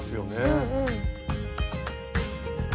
うんうん。